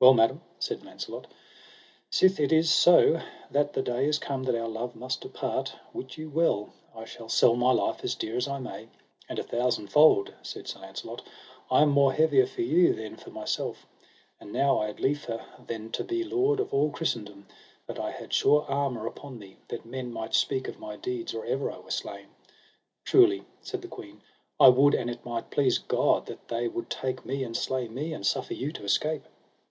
Well, madam, said I auncelot, sith it is so that the day is come that our love must depart, wit you well I shall sell my life as dear as I may; and a thousandfold, said Sir Launcelot, I am more heavier for you than for myself. And now I had liefer than to be lord of all Christendom, that I had sure armour upon me, that men might speak of my deeds or ever I were slain. Truly, said the queen, I would an it might please God that they would take me and slay me, and suffer you to escape.